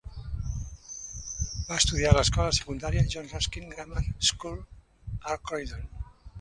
Va estudiar a l'escola secundària John Ruskin Grammar School a Croydon.